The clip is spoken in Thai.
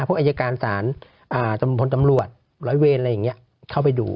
พวกอัยการสารสำมวงทีพรภนจำรวจหลอยเวลหรืออะไรแบบนี้เข้าไปดู